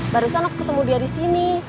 barusan aku ketemu dia disini